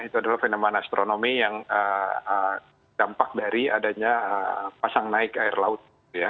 itu adalah fenomena astronomi yang dampak dari adanya pasang naik air laut